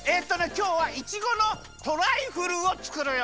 きょうはいちごのトライフルをつくるよ！